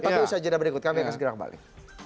tapi usaha jadwal berikut kami akan segera kembali